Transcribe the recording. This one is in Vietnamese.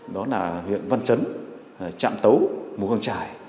đó là huyện văn trấn trạm tấu mùa căng trải